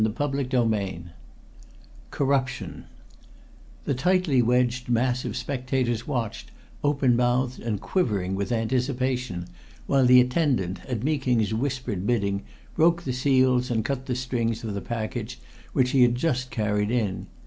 CHAPTER XXI CORRUPTION The tightly wedged mass of spectators watched, open mouthed and quivering with anticipation, while the attendant, at Meeking's whispered bidding, broke the seals and cut the strings of the package which he had just carried in.